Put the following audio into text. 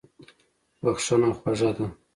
بښنه خوږه ده.